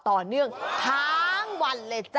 ต่อเนื่องทั้งวันเลยจ้ะ